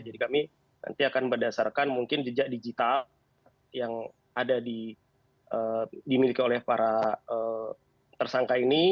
jadi kami nanti akan berdasarkan mungkin jejak digital yang ada di miliki oleh para tersangka ini